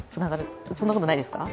そんなことないですか？